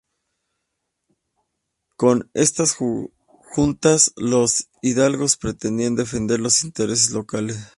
Con estas juntas los hidalgos pretendían defender los intereses locales.